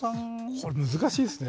これ、難しいですね。